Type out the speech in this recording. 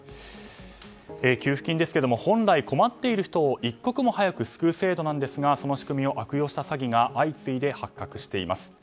給付金ですが本来、困っている人を一刻も早く救う制度なんですがその仕組みを悪用した詐欺が相次いで発覚しています。